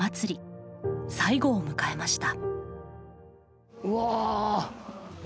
最後を迎えました。